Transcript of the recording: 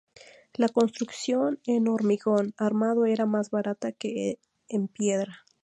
La construcción en hormigón armado era más barata que en piedra.